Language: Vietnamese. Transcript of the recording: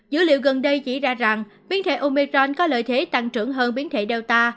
dữ liệu gần đây chỉ ra rằng biến thể omicron có lợi thế tăng trưởng hơn biến thể delta